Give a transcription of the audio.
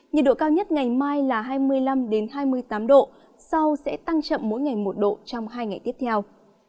nhiệt độ cao nhất ngày mai là hai mươi năm hai mươi tám độ sau sẽ tăng chậm mỗi ngày một độ trong hai ngày tiếp theo